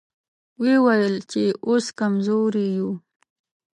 ويې ويل چې اوس کمزوري يو.